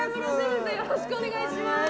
よろしくお願いします。